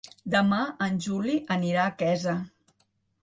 Demà en Juli anirà a Quesa.